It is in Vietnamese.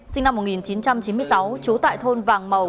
sinh năm một nghìn chín trăm chín mươi sáu trú tại thôn vàng màu